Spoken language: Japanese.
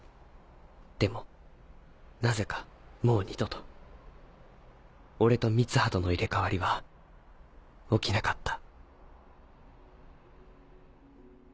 でもなぜかもう二度と俺と三葉との入れ替わりは起きなかった。